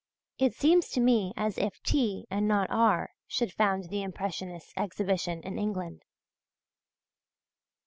It seems to me as if T. and not R. should found the Impressionists' exhibition in England.